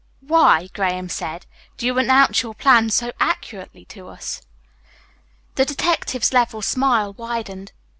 "Why," Graham said, "do you announce your plans so accurately to us?" The detective's level smile widened.